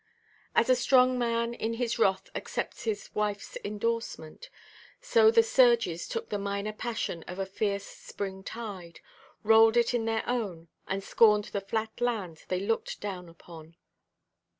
As a strong man in his wrath accepts his wifeʼs endorsement, so the surges took the minor passion of a fierce spring–tide, rolled it in their own, and scorned the flat land they looked down upon.